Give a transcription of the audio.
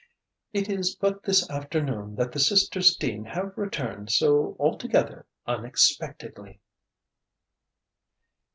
It is but this afternoon that the Sisters Dean have returned so altogether unexpectedly."